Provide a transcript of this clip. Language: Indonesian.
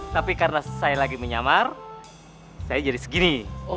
tapi karena saya lagi menyamar saya jadi segini